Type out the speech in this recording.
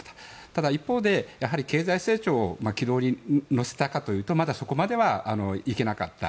ただ、一方で経済成長を軌道に乗せたかというとまだそこまではいけなかった。